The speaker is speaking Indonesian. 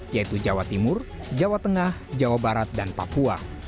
yaitu jawa timur jawa tengah jawa barat dan papua